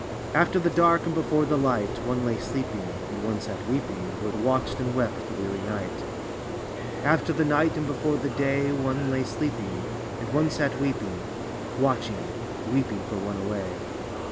After the dark and before the l^ht, One lay sleeping, and onfc sat weeping. Who had watched and wept the weaiy ni^t. After the ni^t and before the day, One lay sleeping; and one sat weeping — Watching, weeping for one away.